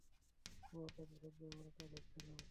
তোমার সাথে সদ্ব্যব্যবহারে কাজ হচ্ছে না।